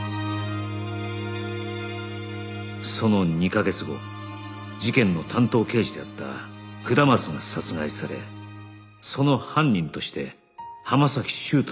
その２カ月後事件の担当刑事であった下松が殺害されその犯人として浜崎修斗が逮捕された